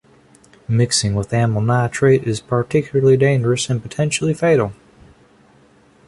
Mixing with amyl nitrite is particularly dangerous and potentially fatal.